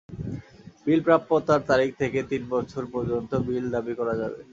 বিল প্রাপ্যতার তারিখ থেকে তিন বছর পর্যন্ত বিল দাবি করা যাবে।